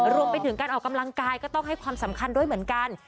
รวมไปถึงการออกกำลังกายก็ต้องให้ความสำคัญด้วยเหมือนกัน